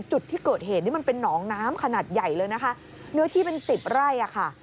จุดที่เกิดเหตุนี่มันเป็นหนองน้ำขนาดใหญ่เลยนะคะเนื้อที่เป็นสิบไร่อ่ะค่ะ